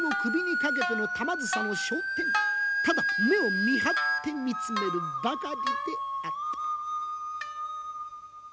ただ目をみはって見つめるばかりであった。